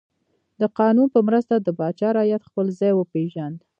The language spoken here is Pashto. د قانون په مرسته د پاچا رعیت خپل ځای وپیژند.